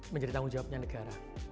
menjadi tanggung jawabnya negara